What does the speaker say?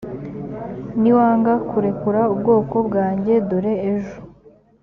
niwanga kurekura ubwoko bwanjye dore ejo